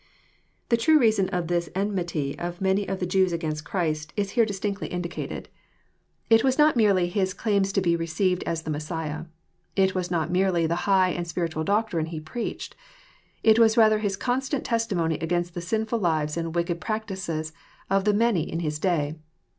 } The true reason of this enmity of many of the Jews against Christ is here distinctly 10 EXFOSnOBY THODOHTS. indicated. It was not merely His claims to be received as the Messiah. It was not merely the high and spiritaal doctrine He preached. It was rather His constant testimony against tbe sinnil lives and wicked practices of the many in His day.